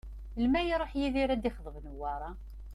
Melmi ara iruḥ Yidir ad d-ixḍeb Newwara?